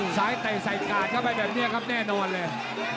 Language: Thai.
สายเต่ใส่กาญเข้าก็ไม่มีแบบนี้ครับแน่นอนเลย